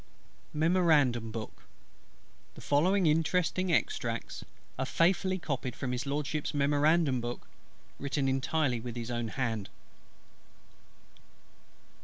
MEMORANDUM BOOK The following interesting Extracts are faithfully copied from HIS LORDSHIP'S Memorandum Book, written entirely with his own hand.